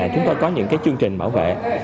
chúng tôi có những cái chương trình bảo vệ